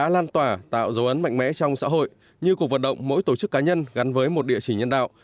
lan tỏa tạo dấu ấn mạnh mẽ trong xã hội như cuộc vận động mỗi tổ chức cá nhân gắn với một địa chỉ nhân đạo